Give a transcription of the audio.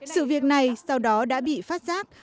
sự việc này sau đó đã bị phát giác